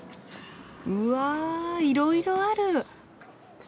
うわぁいろいろある。